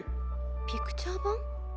ピクチャー盤？